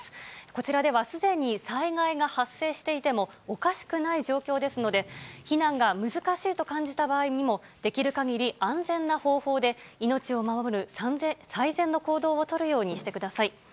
こちらではすでに災害が発生していてもおかしくない状況ですので、避難が難しいと感じた場合にも、できるかぎり安全な方法で、命を守る最善の行動を取るようにしてください。